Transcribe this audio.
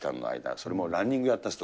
それもランニングやったんです。